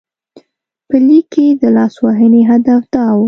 په لیک کې د لاسوهنې هدف دا و.